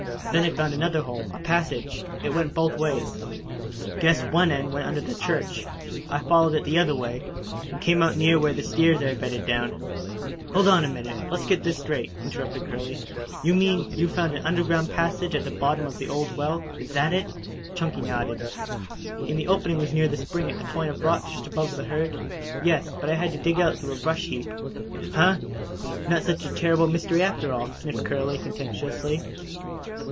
Then I found another hole a passage. It went both ways. Guess one end went under the church. I followed it the other way, and came out near where the steers are bedded down." "Hold on a minute. Let's get this straight," interrupted Curley. "You mean you found an underground passage at the bottom of the old well? Is that it?" Chunky nodded. "And the opening was near the spring at the point of rocks just above the herd?" "Yes. But I had to dig out through a brush heap." "Huh! Not such a terrible mystery, after all," sniffed Curley contemptuously.